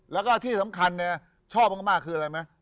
แล้วก็ที่สำคัญเนี่ยชอบมากคืออะไรไหม